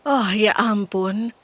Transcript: oh ya ampun